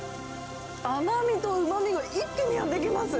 甘みとうまみが一気にやって来ます。